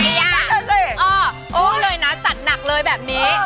โอ้เลยนะจัดหนักเลยแบบนี้